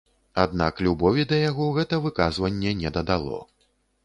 Аднак любові да яго гэта выказванне не дадало.